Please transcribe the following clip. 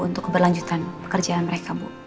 untuk keberlanjutan pekerjaan mereka bu